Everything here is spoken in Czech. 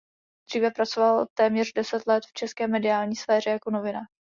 Dříve pracoval téměř deset let v české mediální sféře jako novinář.